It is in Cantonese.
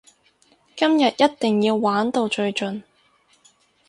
今日一定要玩到最盡！